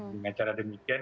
dengan cara demikian